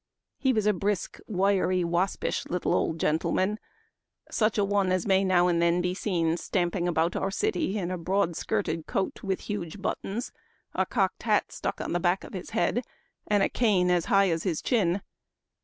He was a brisk, wiry, waspish little old gentle man ; such a one as may now and then be seen stamping about our city in a broad skirted coat with huge buttons, a cocked hat stuck on the back of his head, and a cane as high as his chin.